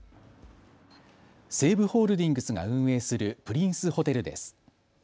西武ホールディングスが運営するプリンスホテルです。